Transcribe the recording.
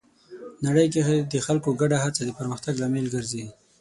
نړۍ کې د خلکو ګډه هڅه د پرمختګ لامل ګرځي.